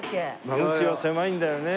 間口は狭いんだよね。